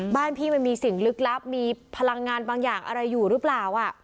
พี่มันมีสิ่งลึกลับมีพลังงานบางอย่างอะไรอยู่หรือเปล่า